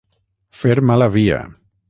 Fer mala via.